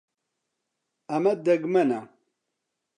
ئەمە دەگمەنە.